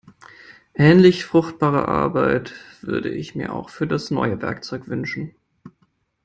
Ähnlich fruchtbare Arbeit würde ich mir auch für das neue Werkzeug wünschen.